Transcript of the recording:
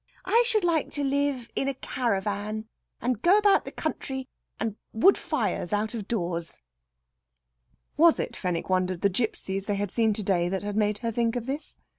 I should like to live in a caravan, and go about the country, and wood fires out of doors." Was it, Fenwick wondered, the gipsies they had seen to day that had made her think of this?